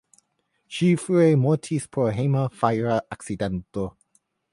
Ŝi frue mortis pro hejma fajra akcidento.